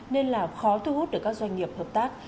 nên là khó thu hút được các doanh nghiệp hợp tác